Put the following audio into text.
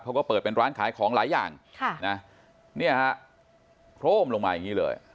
เขาก็เปิดเป็นร้านขายของหลายอย่างคลมลงมาอย่างนี้เลย